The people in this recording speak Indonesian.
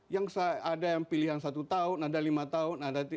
yang ada yang pilihan satu tahun ada lima tahun